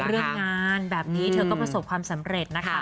เรื่องงานแบบนี้เธอก็ประสบความสำเร็จนะคะ